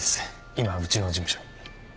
今うちの事務所に。